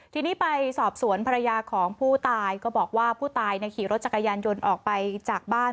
ทีนี้ไปสอบสวนภรรยาของผู้ตายก็บอกว่าผู้ตายขี่รถจักรยานยนต์ออกไปจากบ้าน